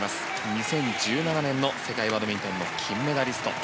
２０１７年の世界バドミントンの金メダリスト。